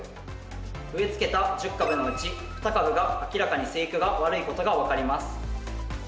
植えつけた１０株のうち２株が明らかに生育が悪いことが分かります。